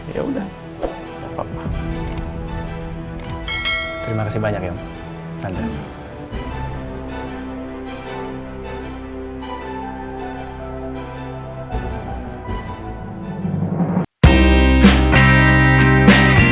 ya saya berdua setuju